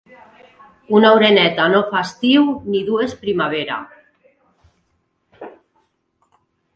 Una oreneta no fa estiu, ni dues primavera